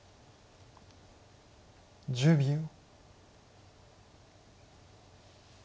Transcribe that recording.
１０秒。